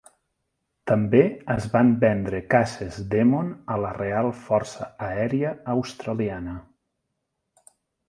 També es van vendre caces Demon a la Real Força Aèria Australiana.